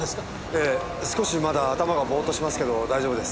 ええ少しまだ頭がボーッとしますけど大丈夫です。